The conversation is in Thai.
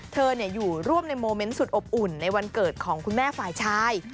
เธออยู่ร่วมในโมเมนต์สุดอบอุ่นในวันเกิดของคุณแม่ฝ่ายชาย